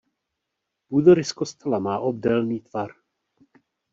Půdorys kostela má obdélný tvar.